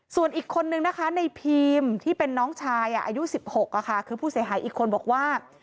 ส่วนอีกคนนึงนะคะในพีมที่เป็นน้องชายอายุ๑๖คือผู้เสียหายอีกคนบอกว่า